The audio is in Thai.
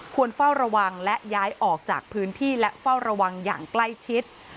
เฝ้าระวังและย้ายออกจากพื้นที่และเฝ้าระวังอย่างใกล้ชิด